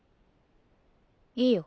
いいよ。